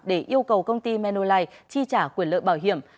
để yêu cầu công ty menulai chi trả quyền lợi bảo hiểm